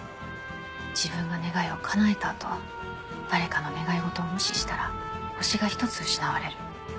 自分が願いを叶えた後誰かの願いごとを無視したら星が１つ失われる。